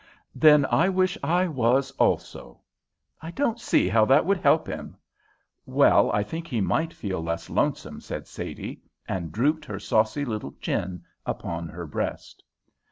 "Then I wish I was also." "I don't see how that would help him." "Well, I think he might feel less lonesome," said Sadie, and drooped her saucy little chin upon her breast.